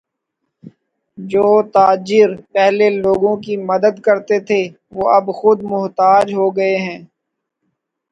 جو تاجر پہلے لوگوں کی مدد کرتے تھے وہ اب خود محتاج ہوگئے ہیں